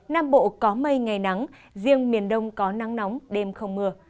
nam bộ có mây ngày nắng riêng miền đông có nắng nóng đêm không mưa